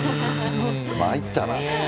まいったな。